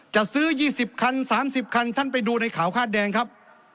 จะซื้อยี่สิบคันสามสิบคันท่านไปดูในข่าวค่าแดงครับ